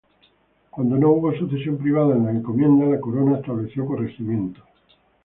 Cuando no hubo sucesión privada en las encomiendas la Corona estableció Corregimientos.